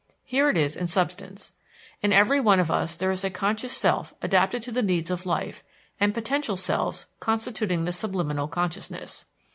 Here it is in substance: In every one of us there is a conscious self adapted to the needs of life, and potential selves constituting the subliminal consciousness.